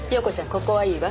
ここはいいわ。